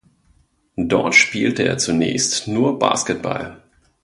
Dort spielte er zunächst nur Basketball.